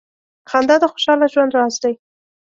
• خندا د خوشال ژوند راز دی.